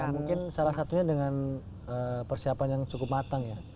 mungkin salah satunya dengan persiapan yang cukup matang ya